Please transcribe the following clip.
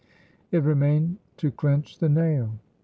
It remained to clinch the nail.